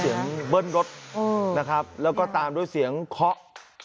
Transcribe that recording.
เบิ้ลรถนะครับแล้วก็ตามด้วยเสียงเคาะ